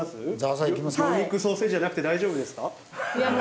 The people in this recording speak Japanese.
魚肉ソーセージじゃなくて大丈夫ですか？